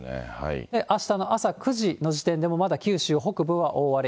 あしたの朝９時の時点でも、まだ九州北部は大荒れ。